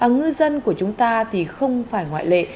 ngư dân của chúng ta thì không phải ngoại lệ